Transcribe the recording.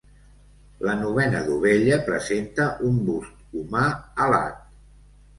La novena dovella presenta un bust humà alat.